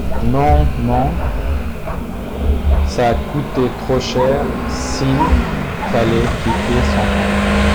Non, non! ça coûtait trop cher, s’il fallait quitter son coin !